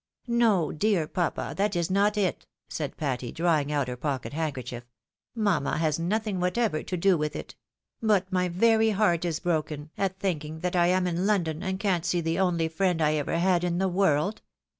" No, dear papa, that is not it," said Patty, drawing out her pocket handkerchief, " mamma has nothing whatever to do with it ; but my very heart is broken, at thinking that I am in London, and can't see the only friend I ever had in the world.